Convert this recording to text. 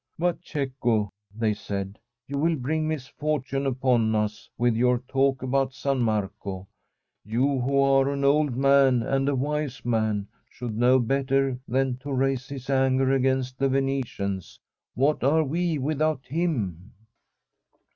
* But, Cecco,' they said, * you will bring mis fortune upon us with your talk about San Marco. You, who are an old man and a wise man, should know better than to raise his anger against the Venetians. What are we without him